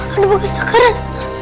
aduh bagus cakaran